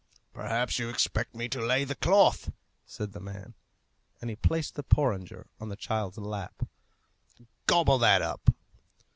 "Perhaps you expect me to lay the cloth," said the man, and he placed the porringer on the child's lap. "Gobble that up."